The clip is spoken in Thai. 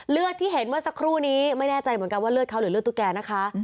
เลือดที่เห็นเมื่อสักครู่นี้ไม่แน่ใจเหมือนกันว่าเลือดเขาหรือเลือดตุ๊กแกนะคะ